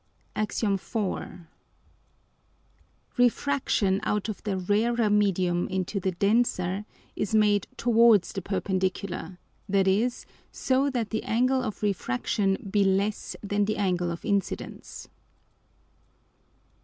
_ AX. IV. _Refraction out of the rarer Medium into the denser, is made towards the Perpendicular; that is, so that the Angle of Refraction be less than the Angle of Incidence.